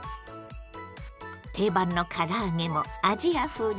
定番のから揚げもアジア風に大変身！